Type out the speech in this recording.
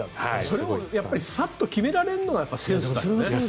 それをさっと決められるのがセンスだよね。